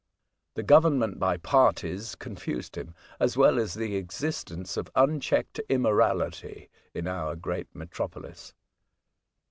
The government by parties confused him, as well as the existence of unchecked immorality in our great metropolis.